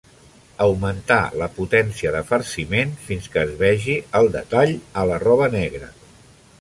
Augmentar la potència de farciment fins que es vegi el detall a la roba negra.